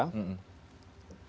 oleh pemerintah kita